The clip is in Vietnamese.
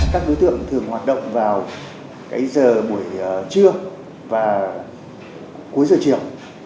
các đối tượng thường hoạt động vào cái giờ buổi trưa và cuối giờ chiều